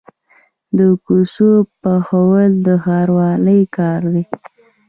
د کوڅو پخول د ښاروالۍ کار دی